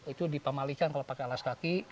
itu dipamalikan kalau pakai alas kaki